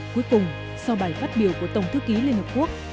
cuối cùng sau bài phát biểu của tổng thư ký liên hợp quốc